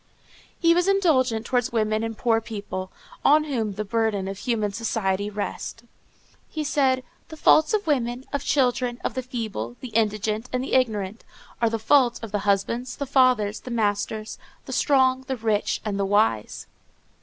He was indulgent towards women and poor people, on whom the burden of human society rest. He said, "The faults of women, of children, of the feeble, the indigent, and the ignorant, are the fault of the husbands, the fathers, the masters, the strong, the rich, and the wise."